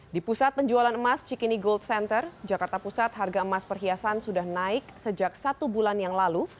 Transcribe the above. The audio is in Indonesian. di pusat penjualan emas cikini gold center jakarta pusat harga emas perhiasan sudah naik sejak satu bulan yang lalu